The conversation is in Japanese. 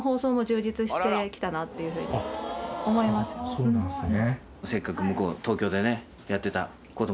そうなんですね。